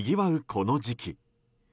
この時期。